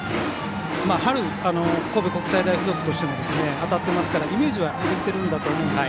春、神戸国際大付属としても当たってますからイメージはできているんだと思います。